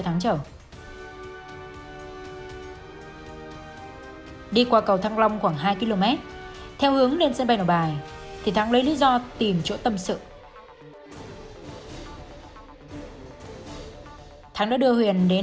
khi đi qua cầu thăng long khoảng hai km theo hướng lên sân bay nổ bài thì thắng lấy lý do tiến rsty hướng dẫn về